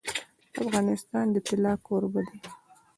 افغانستان د طلا کوربه دی.